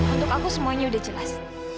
untuk aku semuanya udah jelas